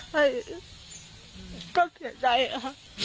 แต่ก็เสียใจค่ะ